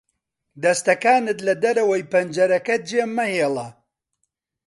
دەستەکانت لە دەرەوەی پەنجەرەکە جێمەهێڵە.